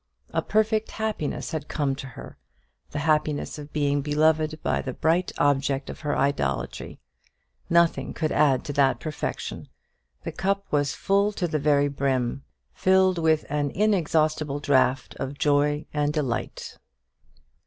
A perfect happiness had come to her the happiness of being beloved by the bright object of her idolatry; nothing could add to that perfection; the cup was full to the very brim, filled with an inexhaustible draught of joy and delight.